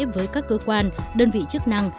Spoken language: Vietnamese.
với các cơ quan đơn vị chức năng